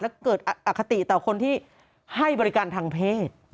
แล้วเกิดอคติต่อคนที่ให้บริการทางเพศ